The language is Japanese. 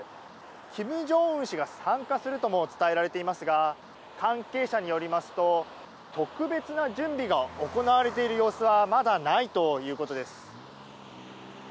金正恩氏が参加するとも伝えられていますが関係者によりますと特別な準備が行われている様子はまだないということです。